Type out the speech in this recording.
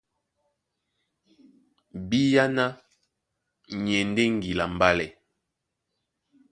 Bíáná ni e ndé ŋgila a mbálɛ.